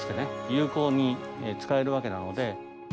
有効に使えるわけなので。